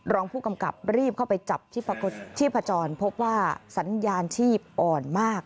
รองผู้กำกับรีบเข้าไปจับชีพจรพบว่าสัญญาณชีพอ่อนมาก